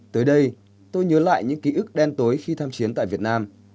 tới đây tôi nhớ lại những ký ức đen tối khi tham chiến tại việt nam